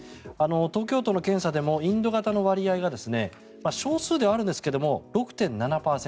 東京都の検査でもインド型の割合が少数ではあるんですが６．７％。